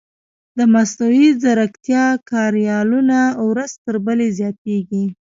د مصنوعي ځیرکتیا کاریالونه ورځ تر بلې زیاتېږي.